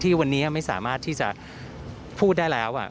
วันนี้ไม่สามารถที่จะพูดได้แล้ว